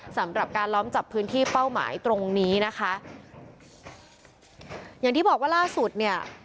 สำหรับการล้อมจับพื้นที่เป้าหมายตรงนี้นะคะอย่างที่บอกว่าล่าสุดเนี่ย